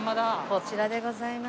こちらでございます。